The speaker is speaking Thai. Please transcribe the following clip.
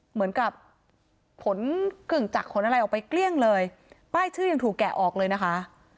เหมือนกับขนกึ่งจักรขนอะไรออกไปเกลี้ยงเลยป้ายชื่อยังถูกแกะออกเลยนะคะ